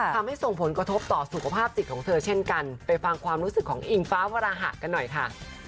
ส่งผลกระทบต่อสุขภาพจิตของเธอเช่นกันไปฟังความรู้สึกของอิงฟ้าวราหะกันหน่อยค่ะ